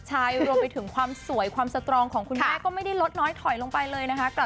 ใช่รวมไปถึงความสวยความสตรองของคุณแม่